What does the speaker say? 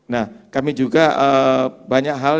nah kami juga banyak hal